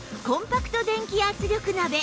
コンパクト電気圧力鍋